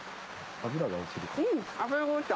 脂が落ちた。